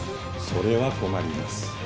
それは困ります。